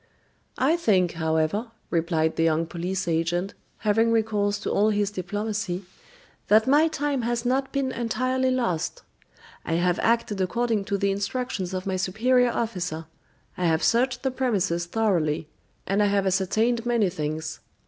"I think, however," replied the young police agent, having recourse to all his diplomacy, "that my time has not been entirely lost. I have acted according to the instructions of my superior officer; I have searched the premises thoroughly, and I have ascertained many things.